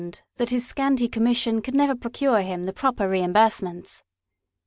that his scanty commission could never procure him the proper reimburse ments.